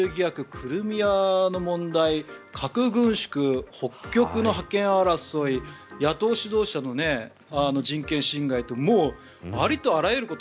クリミアの問題、核軍縮北極の覇権争い野党指導者の人権侵害とありとあらゆること